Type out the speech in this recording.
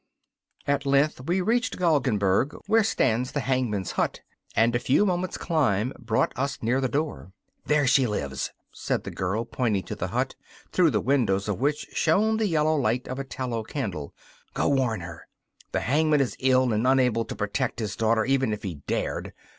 At length we reached the Galgenberg, where stands the hangman's hut, and a few moments' climb brought us near the door. 'There she lives,' said the girl, pointing to the hut, through the windows of which shone the yellow light of a tallow candle; 'go warn her. The hangman is ill and unable to protect his daughter, even if he dared.